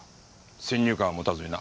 先入観を持たずにな。